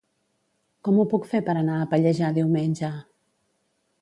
Com ho puc fer per anar a Pallejà diumenge?